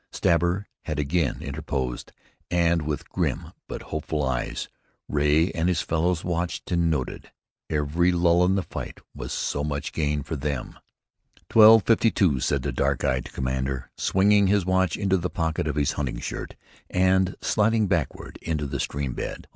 Stabber had again interposed, and with grim but hopeful eyes, Ray and his fellows watched and noted. Every lull in the fight was so much gain for them. "Twelve fifty two," said the dark eyed commander, swinging his watch into the pocket of his hunting shirt, and sliding backward into the stream bed.